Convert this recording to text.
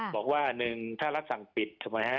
บอกว่า๑ถ้ารัฐศังปิด